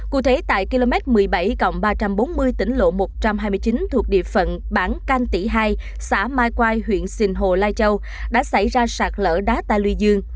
cụ thể tại km một mươi bảy cộng ba trăm bốn mươi tỉnh lộ một trăm hai mươi chín thuộc địa phận bảng canh tỉ hai xã mai quai huyện sinh hồ lai châu đã xảy ra sạt lở đá tà lùi dương